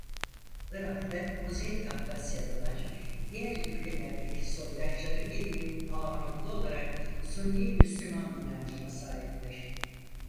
Irak'ta Kuzey Kafkasyalılar diğer ülkelerdeki soydaşları gibi ağırlıklı olarak Sünni Müslüman inancına sahiptir.